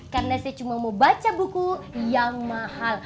karena saya cuma mau baca buku yang mahal